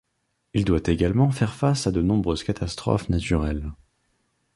Il doit également faire face à de nombreuses catastrophes naturelles.